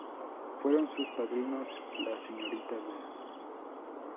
Fueron sus padrinos la Señorita Dª.